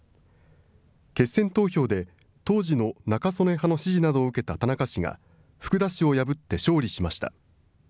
決選投票で、当時の中曽根派の支持などを受けた田中氏が、福田氏を破って勝利しました。